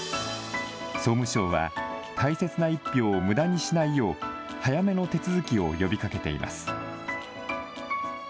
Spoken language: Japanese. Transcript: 総務省は、大切な１票をむだにしないよう、早めの手続きを呼びかけています。